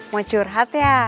mau curhat ya